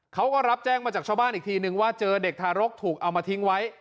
เขาก็รับแจ้งมาจากชาวบ้านอีกทีนึงว่าเจอเด็กทารกถูกเอามาทิ้งไว้